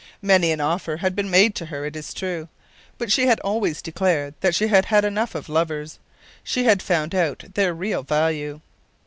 Many an offer had been made to her, it is true; but she had always declared that she had had enough of lovers she had found out their real value.